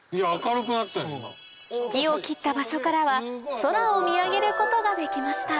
・木を切った場所からは空を見上げることができました